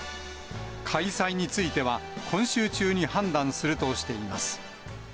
開催については、今週中に判断するとしています。